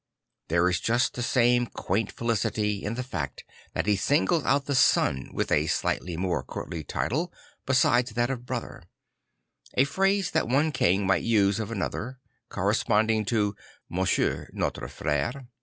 There is just the same quaint felicity in the fact that he singles out the sun with a slightly more courtly title besides that of brother; a phrase that one king might use of another, corresponding to " Monsieur notre frère."